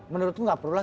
menurutku gak perlu lah